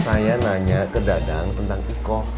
saya nanya ke dadang tentang piko